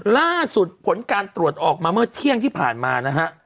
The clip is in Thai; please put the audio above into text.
ล่าสุดผลการตรวจออกมาเมื่อเที่ยงที่ผ่านมานะฮะ